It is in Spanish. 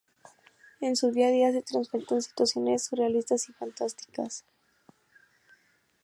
En su día a día, se enfrentan a situaciones surrealistas y fantásticas.